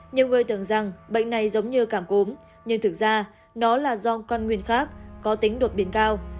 nhiều người tưởng rằng bệnh này giống như cảm cúm nhưng thực ra nó là do con nguyên khác có tính đột biến cao